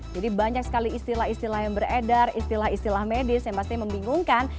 jadi banyak sekali istilah istilah yang beredar istilah istilah medis yang pasti membingungkan